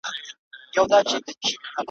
په ښه توګه دي د خپل خوب تفسير وکړي.